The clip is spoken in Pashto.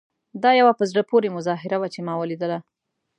دا یوه په زړه پورې مظاهره وه چې ما ولیدله.